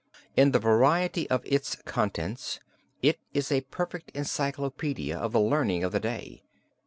In the variety of its contents, it is a perfect encyclopedia of the learning of the day.